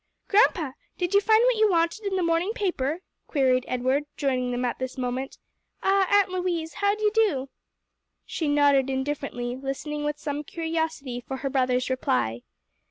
"Grandpa, did you find what you wanted in the morning paper?" queried Edward, joining them at this moment. "Ah, Aunt Louise, how d'ye do?" She nodded indifferently, listening with some curiosity for her brother's reply.